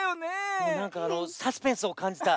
なんかあのサスペンスをかんじた。